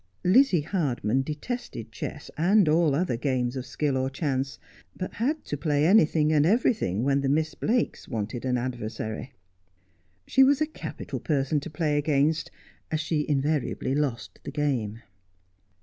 Lizzie Hardman detested chess and all other games of skill or chance, but had to play anything and everything when the Miss Blakes wanted an adversary. She was a capital person to play against, as she invariably lost the game.